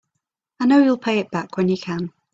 I know you'll pay it back when you can.